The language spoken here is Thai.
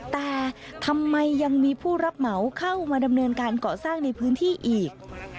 แต่ทำไมยังมีผู้รับเหมาเข้ามาดำเนินการเกาะสร้างในพื้นที่อีก